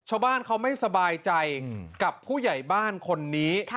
ชาวบ้านเขาไม่สบายใจกับผู้ใหญ่บ้านคนนี้